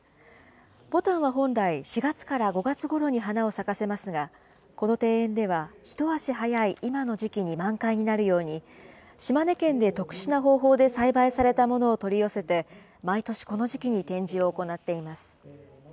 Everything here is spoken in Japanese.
ぼたんは本来、４月から５月ごろに花を咲かせますが、この庭園では一足早い今の時期に満開になるように、島根県で特殊な方法で栽培されたものを取り寄せて、毎年、この時期に展示を行っています。